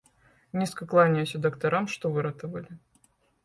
Нізка кланяюся дактарам, што выратавалі.